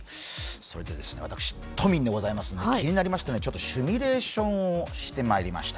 私、都民でございますんで、気になりましてシミュレーションをしてまいりました。